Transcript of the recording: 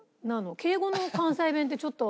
敬語の関西弁ってちょっとなんか「ん？」